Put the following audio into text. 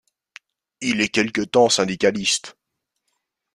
Il est quelque temps syndicaliste.